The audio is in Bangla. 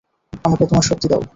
আমাকে তোমার শক্তি দাও।